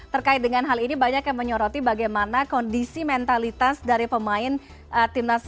terkait dengan hal ini banyak yang menyoroti bagaimana kondisi mentalitas dari pemain timnas